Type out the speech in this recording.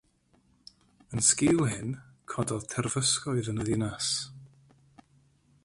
Yn sgil hyn, cododd terfysgoedd yn y ddinas.